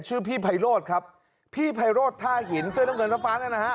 ชื่อพี่ไพโรธครับพี่ไพโรธท่าหินเสื้อน้ำเงินฟ้าฟ้านั่นนะฮะ